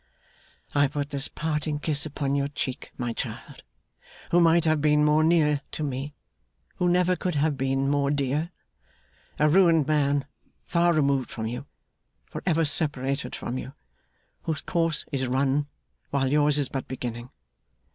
I put this parting kiss upon your cheek, my child who might have been more near to me, who never could have been more dear a ruined man far removed from you, for ever separated from you, whose course is run while yours is but beginning.